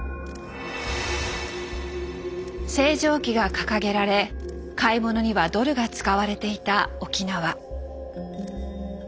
星条旗が掲げられ買い物にはドルが使われていた沖縄。